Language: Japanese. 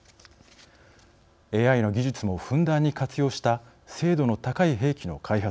ＡＩの技術もふんだんに活用した精度の高い兵器の開発